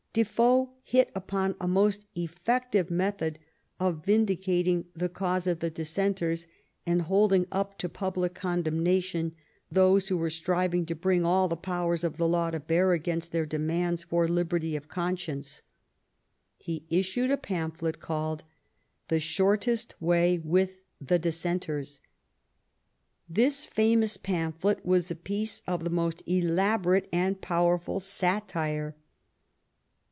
Defoe hit upon a most effective method of vindicating the cause of the Dissenters and holding up to public condemnation those who were striving to bring all the powers of the law to bear against their demands for liberty of conscience. He issued a pam phlet called " The Shortest Way with the Dissenters." This famous pamphlet was a piece of the most elabo rate and powerful satire.